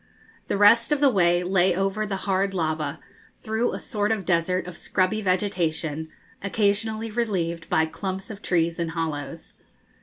The rest of the way lay over the hard lava, through a sort of desert of scrubby vegetation, occasionally relieved by clumps of trees in hollows.